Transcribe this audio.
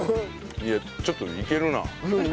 いやちょっといけるな。